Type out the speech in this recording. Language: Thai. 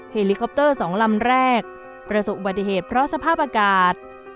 เฮลิคอปเตอร์๒ลำแรกประสบอุบัติเหตุเพราะสภาพอากาศ